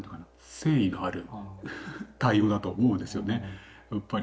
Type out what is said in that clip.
誠意のある対応だと思うんですよねやっぱり。